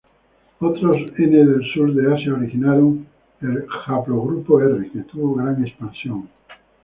Otros N del Sur de Asia originaron el haplogrupo R que tuvo gran expansión.